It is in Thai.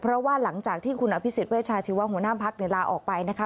เพราะว่าหลังจากที่คุณอภิษฎเวชาชีวะหัวหน้าพักลาออกไปนะคะ